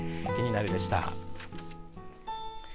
キニナル！でした。